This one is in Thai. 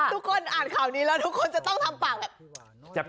ทุกคนอ่านข่าวนี้แล้วทุกคนจะต้องทำปากแบบ